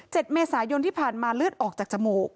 เมษายนที่ผ่านมาเลือดออกจากจมูก